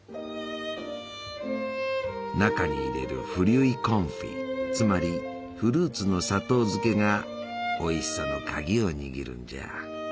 中に入れるフリュイ・コンフィつまりフルーツの砂糖漬けがおいしさの鍵を握るんじゃ。